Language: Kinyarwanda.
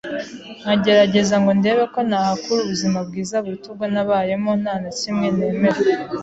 nkagerageza ngo ndebe ko nahakura ubuzima bwiza buruta ubwo nabayemo nta na kimwe nemera.